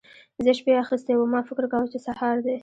زه شپې اخيستی وم؛ ما فکر کاوو چې سهار دی.